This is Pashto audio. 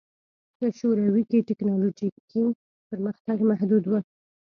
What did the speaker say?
په شوروي کې ټکنالوژیکي پرمختګ محدود و